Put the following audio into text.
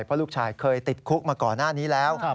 เพราะลูกชายเคยติดคุกมาก่อนหน้านี้แล้ว